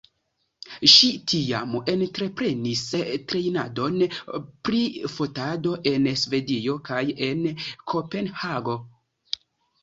Ŝi tiam entreprenis trejnadon pri fotado en Svedio kaj en Kopenhago.